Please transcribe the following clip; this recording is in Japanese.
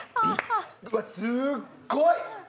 うわ、すっごい。